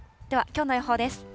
では、きょうの予報です。